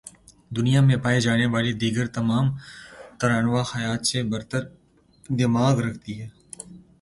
دنیا میں پائی جانے والی دیگر تمام تر انواع حیات سے برتر دماغ رکھتی ہے